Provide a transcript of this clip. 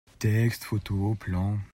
textes, photos, plans…